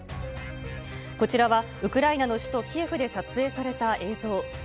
こちらはウクライナの首都キエフで撮影された映像。